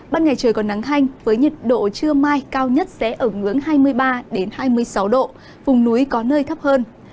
ban ngày trời còn nắng thanh với nhiệt độ trưa mai cao nhất sẽ ở ngưỡng hai mươi ba hai mươi sáu độ vùng núi có nơi thấp hơn